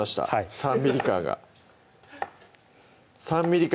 ３ｍｍ感が３ｍｍ感